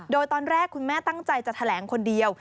โดยตอนแรกคุณแม่ตั้งใจจะแถลงคนเดียว